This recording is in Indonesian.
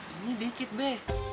ini dikit be